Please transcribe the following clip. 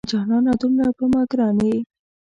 جانانه دومره په ما ګران یې